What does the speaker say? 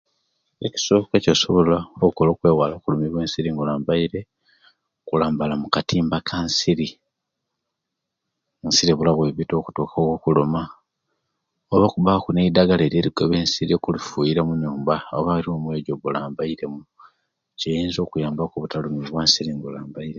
Ekisoka ekyosobola okola okwewala okulumiwa ensiri nga olambaire kulambala mukatimba kansiri ensiri ebula obwebita okutuka okuluma olwokubaku nedagala ero erigoba ensiri okufuwira muyumba oba erumu eyo ejoba olambaire mu kiyinza okiyamba okutalumiwa ensiri nga olambaire